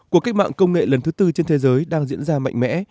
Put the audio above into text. cuộc cách mạng công nghệ lần thứ tư trên thế giới đang diễn ra mạnh mẽ